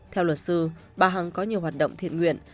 theo luật sư bà hằng có nhiều hoạt động thiện nguyện